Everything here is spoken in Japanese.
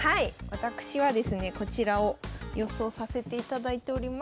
私はですねこちらを予想させていただいております。